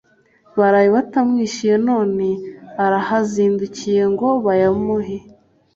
Baraye batamwishyuye none arahazindukiye ngo bayamuhe